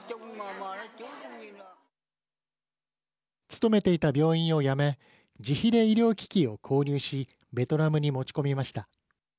勤めていた病院を辞め自費で医療機器を購入しベトナムに持ち込みました。